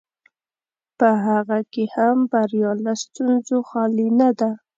په هغه کې هم بریا له ستونزو خالي نه ده.